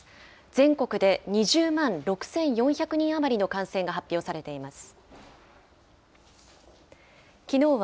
全国で２０万６４００人余りの感染が発表されています。